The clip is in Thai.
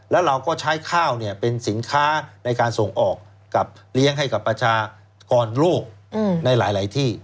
แล้วเราก็ใช้ข้าวเป็นสินค้าในการส่งออกกับเลี้ยงให้กับประชากรโลกในหลายที่